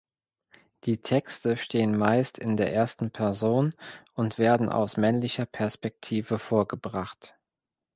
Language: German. Die Texte stehen meist in der ersten Person und werden aus männlicher Perspektive vorgebracht.